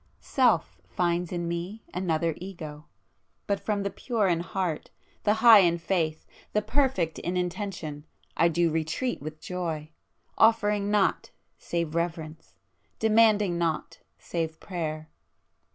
Self finds in me another Ego;—but from the pure in heart, the high in faith, the perfect in intention, I do retreat with joy, offering naught save reverence, demanding naught save prayer!